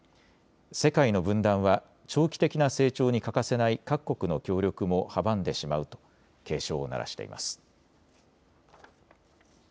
世界の分断は長期的な成長に欠かせない各国の協力も阻んでしまうと警鐘を鳴らしています。